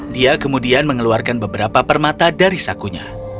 dia kemudian mengeluarkan beberapa permata dari sakunya